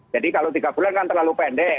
jadi kalau tiga bulan kan terlalu pendek